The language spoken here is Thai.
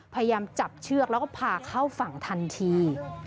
พยายามจับเชือกแล้วก็พาเข้าฝั่งทันที